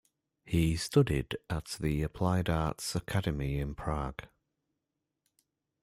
He studied at the Applied Arts Academy in Prague.